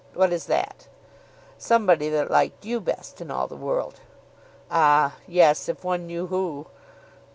"What is that?" "Somebody that liked you best in all the world." "Ah, yes; if one knew who?"